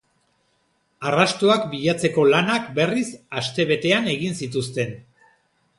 Arrastoak bilatzeko lanak, berriz, astebetean egin zituzten.